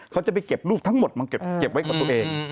เขาจะไปเก็บรูปทั้งหมดมาเก็บไว้กับตัวเอง